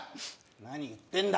何言ってんだ。